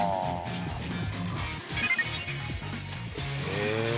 へえ。